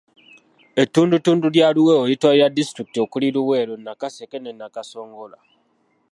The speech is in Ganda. Ettundutundu lya Luweero litwalira disitulikiti okuli; Luweero, Nakaseke ne Nakasongola.